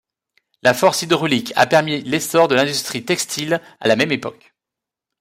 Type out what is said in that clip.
La force hydraulique a permis l'essor de l'industrie textile à la même époque.